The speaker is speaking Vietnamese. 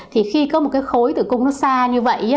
thì khi có một cái khối tử cung nó xa như vậy